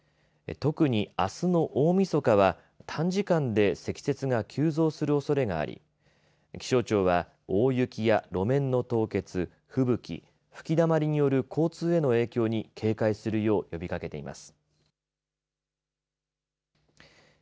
特に、あすの大みそかは短時間で積雪が急増するおそれがあり気象庁は、大雪や路面の凍結吹雪、吹きだまりによる交通への影響に警戒するよう呼びかけています。